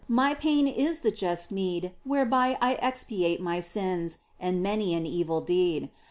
My pain is the just meed Whereby I expiate my sins And many an evil deed